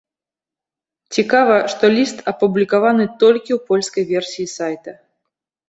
Цікава, што ліст апублікаваны толькі ў польскай версіі сайта.